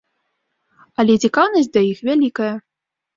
Але цікаўнасць да іх вялікая.